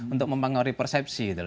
untuk mempengaruhi persepsi